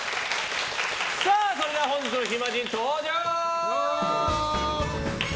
それでは本日の暇人登場！